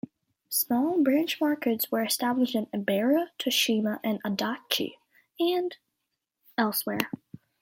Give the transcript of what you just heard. Smaller branch markets were established in Ebara, Toshima, and Adachi, and elsewhere.